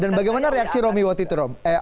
dan bagaimana reaksi romy waktu itu